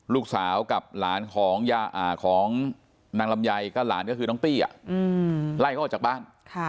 ลูกสาวกับหลานของนางลำไยก็หลานก็คือน้องตี้ไล่เขาออกจากบ้าน